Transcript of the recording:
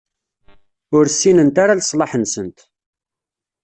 Ur ssinent ara leṣlaḥ-nsent.